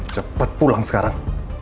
cepet pulang sekarang